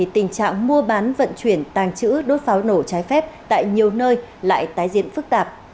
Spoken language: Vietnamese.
tình trạng mua bán vận chuyển tàng trữ đốt pháo nổ trái phép tại nhiều nơi lại tái diễn phức tạp